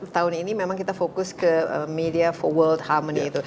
tahun ini memang kita fokus ke media for world harmony itu